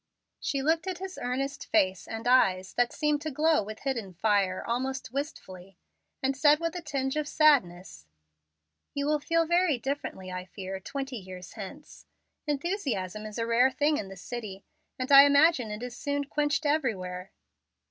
She looked at his earnest face and eyes, that seemed to glow with hidden fire, almost wistfully; and said with a tinge of sadness, "You will feel very differently I fear, twenty years hence. Enthusiasm is a rare thing in the city, and I imagine it is soon quenched everywhere."